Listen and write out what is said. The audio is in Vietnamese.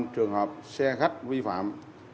trường hợp xe khách vi phạm